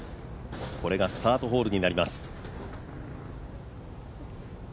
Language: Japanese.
これがスタートホールになります。